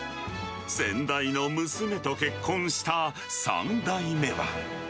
先代の娘と結婚した３代目は。